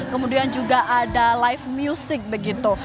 kemudian juga ada live music begitu